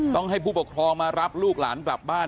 ต้องให้ผู้ปกครองมารับลูกหลานกลับบ้าน